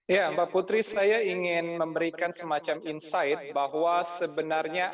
ya mbak putri saya ingin memberikan semacam insight bahwa sebenarnya